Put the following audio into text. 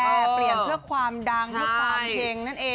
แต่เปลี่ยนเพื่อความดังเพื่อความเฮงนั่นเอง